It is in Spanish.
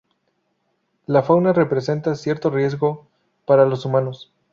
La fauna representa cierto riesgo para los humanos.